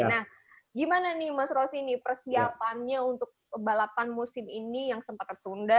nah gimana nih mas rosi nih persiapannya untuk balapan musim ini yang sempat tertunda